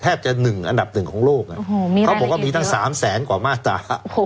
จะ๑อันดับหนึ่งของโลกเขาบอกว่ามีตั้ง๓แสนกว่ามาตรา